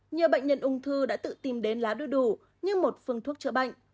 nhiều bệnh nhân ung thư đã tự tìm đến lá đưa đủ như một phương thuốc chữa bệnh